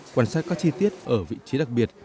quan sát các chi tiết ở vị trí đặc biệt